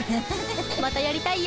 またやりたいよ！